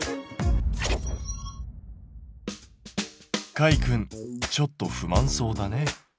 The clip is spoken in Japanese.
かいくんちょっと不満そうだね。